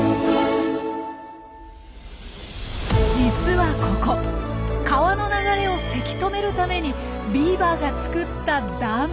実はここ川の流れをせき止めるためにビーバーが作ったダム。